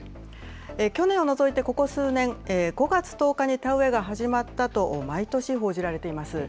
去年を除いてここ数年、５月１０日に田植えが始まったと毎年報じられています。